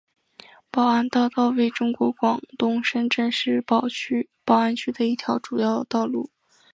宝安大道为中国广东深圳市宝安区的一条主要道路。